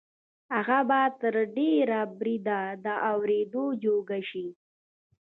هغه به تر ډېره بریده د اورېدو جوګه شي